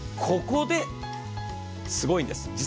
ここですごいんです。